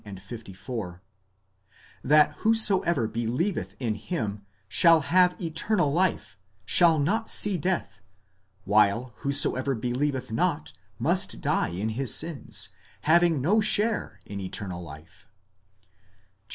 14, 19, 54); that whosoever believeth in him shall have eternal life, shall not see death, while whosoever believeth not must die in his sins, having no share in eternal life (viii.